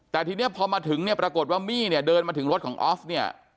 แต่ทีนี้พอมาถึงเนี่ยปรากฏว่ามี่เนี่ยเดินมาถึงรถของออฟเนี่ย